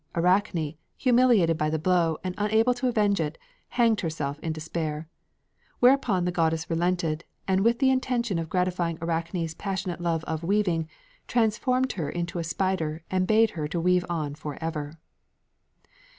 Arachne, humiliated by the blow, and unable to avenge it, hanged herself in despair. Whereupon the goddess relented, and with the intention of gratifying Arachne's passionate love of weaving, transformed her into a spider and bade her weave on forever.